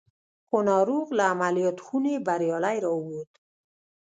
خو ناروغ له عمليات خونې بريالي را ووت.